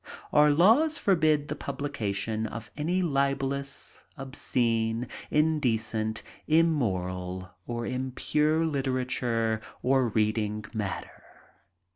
Our laws forbid the publica tion of any libelous, obscene, indecent, immoraJ or im pure literature or reading matter.